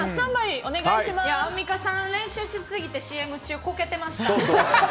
アンミカさん、練習しすぎてＣＭ中、こけてました。